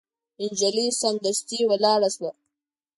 نجلۍ سمدستي ولاړه شوه.